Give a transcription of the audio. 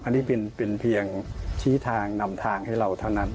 อันนี้เป็นเพียงชี้ทางนำทางให้เราเท่านั้น